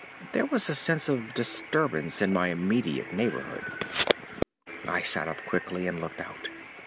There was a sense of disturbance in my immediate neighborhood. I sat up quickly and looked out.